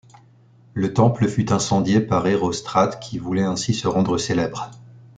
Le temple fut incendié le par Érostrate, qui voulait ainsi se rendre célèbre.